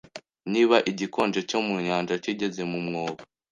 Niba igikonjo cyo mu nyanja kigeze mu mwobo